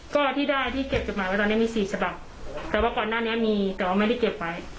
ก็ที่ได้ที่เก็บจดหมายไว้ตอนนี้มีสี่ฉบับแต่ว่าก่อนหน้านี้มีแต่ว่าไม่ได้เก็บไว้